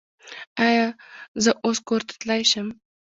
ایا زه اوس کور ته تلی شم؟